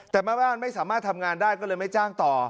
แต่แม่บ้านไม่สามารถทำงานได้ก็เลยไม่จ้างต่อ